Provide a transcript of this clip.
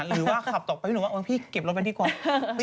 หรือว่าขับต่อไปพี่หนุ่มว่าพี่เก็บรถไปดีกว่า